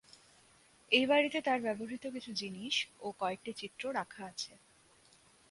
এই বাড়িতে তাঁর ব্যবহৃত কিছু জিনিস ও কয়েকটি চিত্র রাখা আছে।